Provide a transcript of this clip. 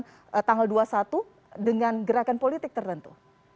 tidak dikaitkan dengan kekhawatiran tanggal dua puluh satu dengan gerakan politik tertentu